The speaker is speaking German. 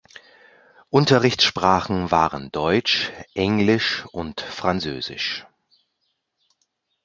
Unterrichtssprachen waren Deutsch, Englisch und Französisch.